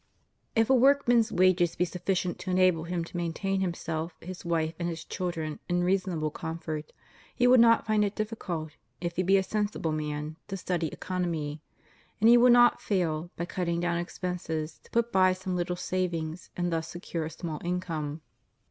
If a workman's wages be sufficient to enable him to maintain himself, his wife, and his children in reasonable comfort, he will not find it difficult, if he be a sensible man, to study economy; and he will not fail, by cutting down expenses, to put by some Httle savings and thus secure a small income.